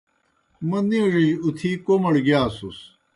موْ نِیڙِجیْ اُتِھی کوْمَڑ گِیاسُس۔